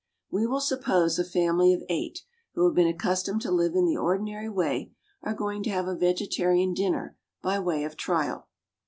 We will suppose a family of eight, who have been accustomed to live in the ordinary way, are going to have a vegetarian dinner by way of trial.